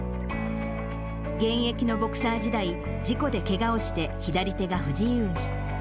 現役のボクサー時代、事故でけがをして、左手が不自由に。